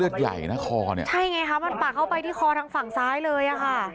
ใช่ไงคะมันปักเข้าไปที่คอทางฝั่งซ้ายเลยค่ะ